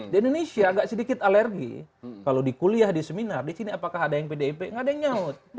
di indonesia agak sedikit alergi kalau di kuliah di seminar di sini apakah ada yang pdip nggak ada yang nyaut